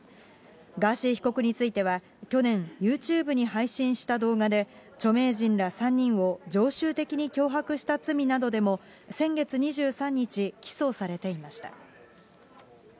ガーシー被告については去年、ユーチューブに配信した動画で、著名人ら３人を常習的に脅迫した罪などでも、先月２３日、起訴されていました。